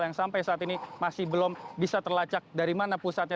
yang sampai saat ini masih belum bisa terlacak dari mana pusatnya